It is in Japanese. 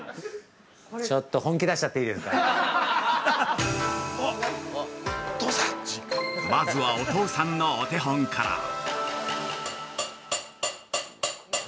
◆まずは、お父さんのお手本から。